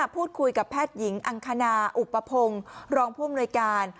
พูดคุยกับแพทย์หญิงอังคณาอุปพงศ์รองผู้อำนวยการ